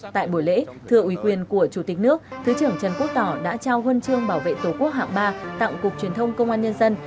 tại buổi lễ thưa uy quyền của chủ tịch nước thứ trưởng trần quốc tỏ đã trao huân chương bảo vệ tổ quốc hạng ba tặng cục truyền thông công an nhân dân